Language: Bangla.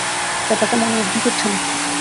ব্যাপারটা মনোমুগ্ধকর ছিল।